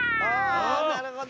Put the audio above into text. ああなるほど。